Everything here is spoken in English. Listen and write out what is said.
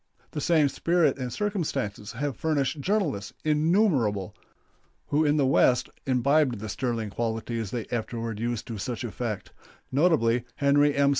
The same spirit and circumstances have furnished journalists innumerable, who in the West imbibed the sterling qualities they afterward used to such effect notably, Henry M.